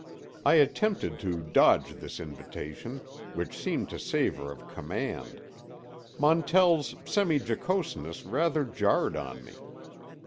I attempted to dodge this invitation, which seemed to savor of command. Montell's semi jocoseness rather jarred on me.